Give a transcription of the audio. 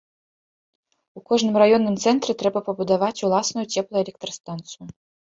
У кожным раённым цэнтры трэба пабудаваць уласную цеплаэлектрастанцыя.